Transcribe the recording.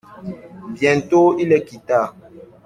Bientôt il les quitta.